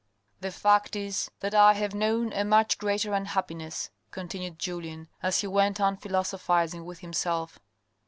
" The fact is that I have known a much greater unhappiness," continued Julien, as he went on philosophising with himself.